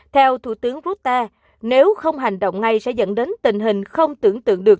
theo thủ tướng rota nếu không hành động ngay sẽ dẫn đến tình hình không tưởng tượng được